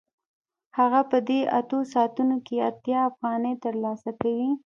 هغه په دې اته ساعتونو کې اتیا افغانۍ ترلاسه کوي